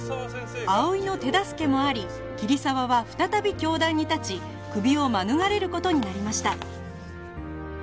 葵の手助けもあり桐沢は再び教壇に立ちクビを免れる事になりました